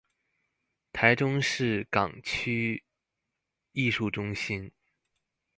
臺中市港區藝術中心